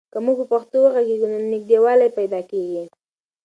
که موږ په پښتو وغږېږو نو نږدېوالی پیدا کېږي.